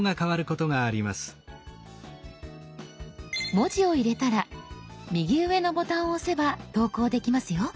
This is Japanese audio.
文字を入れたら右上のボタンを押せば投稿できますよ。